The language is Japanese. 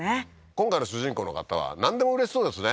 今回の主人公の方はなんでもうれしそうですね